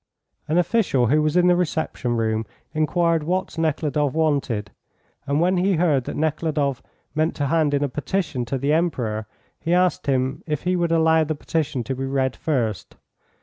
An official who was in the reception room inquired what Nekhludoff wanted, and when he heard that Nekhludoff meant to hand in a petition to the Emperor, he asked him if he would allow the petition to be read first.